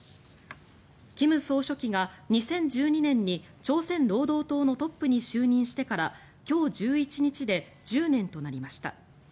金総書記が２０１２年に朝鮮労働党のトップに就任してから今日１１日で１０年となりました。